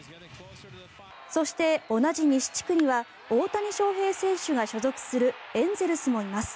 そして、同じ西地区には大谷翔平選手が所属するエンゼルスもいます。